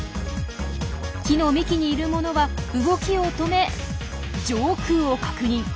木の幹にいるものは動きを止め上空を確認。